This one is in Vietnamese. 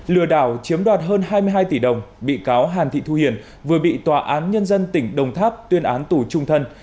lừa đảo chiếm đoạt hơn hai mươi hai tỷ đồng bị cáo hàn thị thu hiền vừa bị tòa án nhân dân tỉnh đồng tháp tuyên án tù trung thân